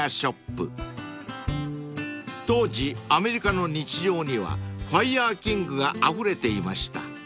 ［当時アメリカの日常にはファイヤーキングがあふれていました］